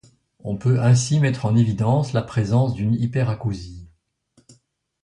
On peut ainsi mettre en évidence la présence d'une hyperacousie.